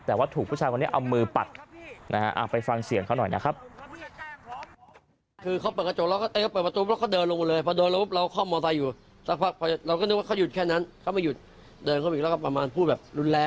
แต่ว่าถูกผู้ชายคนนี้เอามือปัดนะฮะไปฟังเสียงเขาหน่อยนะครับ